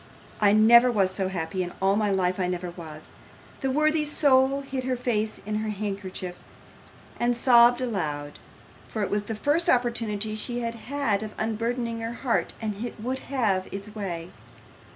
I never was so happy; in all my life I never was!' The worthy soul hid her face in her handkerchief, and sobbed aloud; for it was the first opportunity she had had of unburdening her heart, and it would have its way.